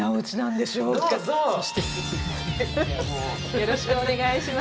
よろしくお願いします。